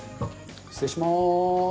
失礼します。